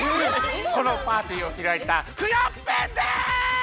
このパーティーをひらいたクヨッペンです！え！？